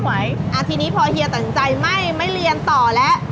ไหวอ่ะทีนี้พอเฮียตั้งใจไม่เรียนต่อแล้ว